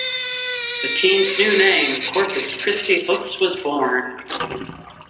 The team's new name, Corpus Christi Hooks was born.